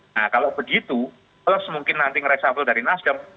nah kalau begitu kalau semungkin nanti ngeresapel dari nasdem